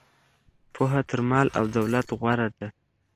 پوهه تر مال او دولت غوره ده.